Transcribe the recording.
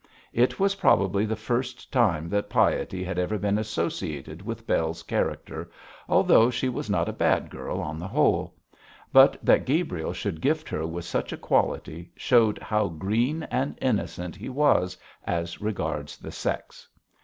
It was probably the first time that piety had ever been associated with Bell's character, although she was not a bad girl on the whole; but that Gabriel should gift her with such a quality showed how green and innocent he was as regards the sex.